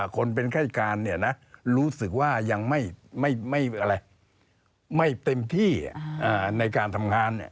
คนเป็นค่ายการรู้สึกว่ายังไม่เต็มที่ในการทำงาน